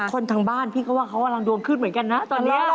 คนทางบ้านพี่ก็ว่าเขากำลังดวงขึ้นเหมือนกันนะตอนนี้